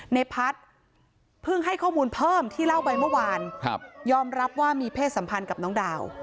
ในพัฒน์เพิ่งให้ข้อมูลเพิ่มที่เล่าไปเมื่อวานยอมรับว่ามีเพศสัมพันธ์กับน้องดาว